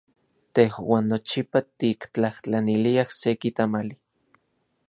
Tejuan nochipa tiktlajtlaniliaj seki tamali.